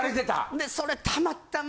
でそれたまたま。